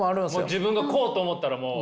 自分がこうと思ったらもう。